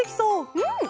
うん！